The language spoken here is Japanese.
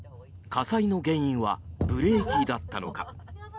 火災の原因はブレーキだったのか。